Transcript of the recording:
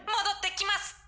戻ってきます！